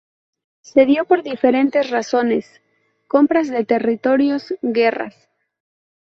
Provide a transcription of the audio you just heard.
Se dio por diferentes razones: compras de territorios, guerras.